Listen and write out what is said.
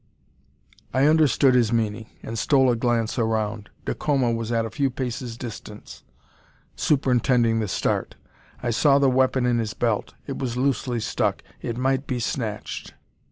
I understood his meaning, and stole a glance around. Dacoma was at a few paces' distance, superintending the start. I saw the weapon in his belt. It was loosely stuck. It might be snatched!